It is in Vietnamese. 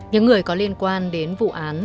những người có liên quan đến vụ án